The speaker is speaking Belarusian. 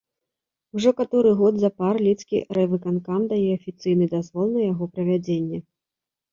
Ужо каторы год запар лідскі райвыканкам дае афіцыйны дазвол на яго правядзенне.